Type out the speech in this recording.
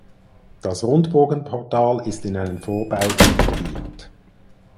Das Rundbogenportal ist in einen Vorbau integriert.